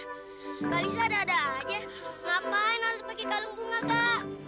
hah kak lisa ada ada aja ngapain harus pakai kalung bunga kak